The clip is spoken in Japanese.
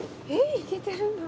いけてるの？